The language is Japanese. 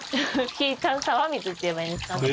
引いた沢水って言えばいいんですかね。